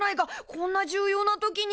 こんな重要な時に。